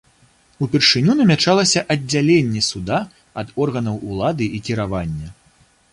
Упершыню намячалася аддзяленне суда ад органаў улады і кіравання.